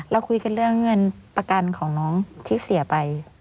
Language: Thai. เราคุยกันเรื่องเงินประกันของน้องที่เสียไป